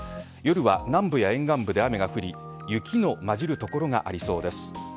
夜は南部や沿岸部で雨が降り雪のまじる所がありそうです。